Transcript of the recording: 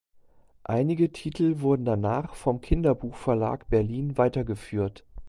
Einige Titel wurden danach vom Kinderbuchverlag Berlin weitergeführt.